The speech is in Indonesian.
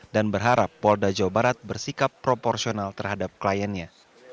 berharap polda jawa barat bersikap proporsional terhadap kliennya